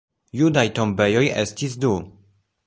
Judaj tombejoj estis du.